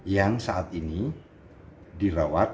yang saat ini dirawat